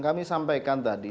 kami sampaikan tadi